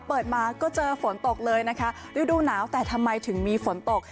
เปิดมาก็เจอฝนตกเลยนะคะฤดูหนาวแต่ทำไมถึงมีฝนตก